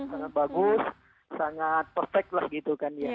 sangat bagus sangat perfect lah gitu kan ya